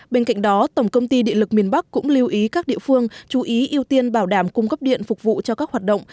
bên cạnh đó tổng công ty điện lực miền bắc cũng lưu ý các địa phương chú ý ưu tiên bảo đảm cung cấp điện phục vụ cho các hoạt động